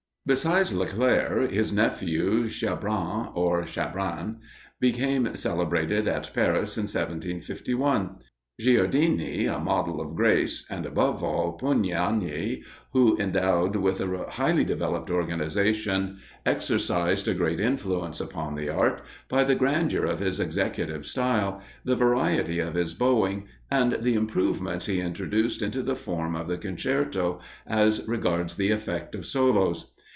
Besides Leclair, his nephew Schabran, or Chabran, became celebrated at Paris in 1751. Giardini, a model of grace, and above all Pugnani, who, endowed with a highly developed organisation, exercised a great influence upon the art, by the grandeur of his executive style, the variety of his bowing, and the improvements he introduced into the form of the concerto, as regards the effect of solos.